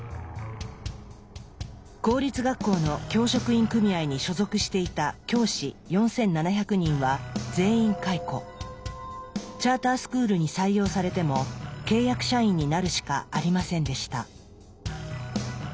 公立学校の教職員組合に所属していた教師チャータースクールに採用されても契約社員になるしかありませんでした。